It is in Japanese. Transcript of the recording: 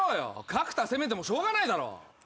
角田責めてもしょうがないだろ。